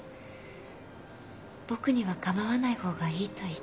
「僕には構わない方がいい」と言って。